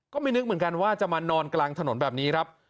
ก็ไม่นึกเหมือนกันว่าจะมานอนกลางถนนแบบนี้ครับ